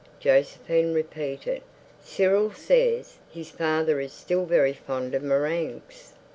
Josephine repeated, "Cyril says his father is still very fond of meringues."